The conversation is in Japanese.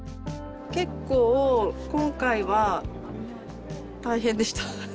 結構今回は大変でした。